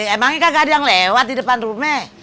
emangnya kan ada yang lewat di depan rumah